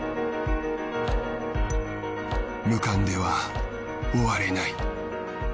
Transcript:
無冠では終われない。